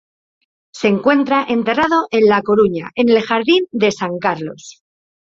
Se encuentra enterrado en La Coruña en el Jardín de San Carlos.